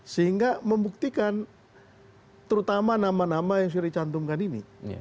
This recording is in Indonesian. sehingga membuktikan terutama nama nama yang sudah dicantumkan ini